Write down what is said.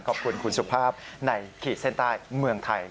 ขอบคุณคุณสุภาพในขีดเส้นใต้เมืองไทย